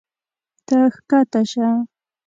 ته ښکته شه.